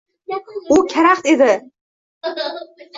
U karaxt edi.